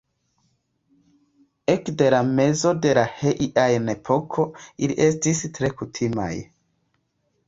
Ekde la mezo de la Heian-epoko ili estis tre kutimaj.